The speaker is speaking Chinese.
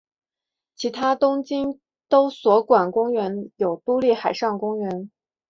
其他东京都所管公园有都立海上公园。